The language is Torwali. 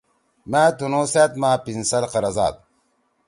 مأ تُنُو سأت ما پنسل قرَضاد۔